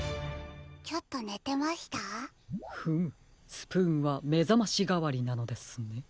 スプーンはめざましがわりなのですね。